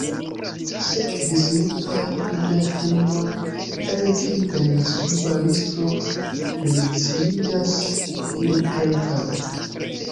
Sekvis multaj pliaj filmoj, el kiuj en la suba listo menciiĝas nur kelkaj.